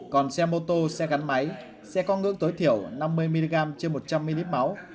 còn xe mô tô xe gắn máy sẽ có ngưỡng tối thiểu năm mươi mg trên một trăm linh ml máu